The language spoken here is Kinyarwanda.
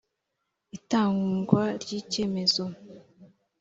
itangwa ry icyemezo